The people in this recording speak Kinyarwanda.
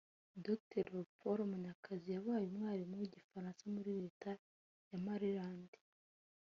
Dr Léopold Munyakazi yabaye umwarimu w’igifaransa muri Leta ya Maryland